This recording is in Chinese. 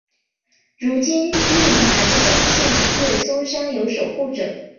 如今居民还是相信乐松山有守护者。